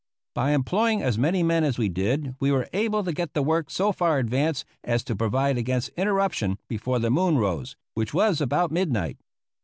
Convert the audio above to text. By employing as many men as we did we were able to get the work so far advanced as to provide against interruption before the moon rose, which was about midnight.